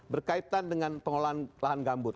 berkaitan dengan pengolahan lahan gambut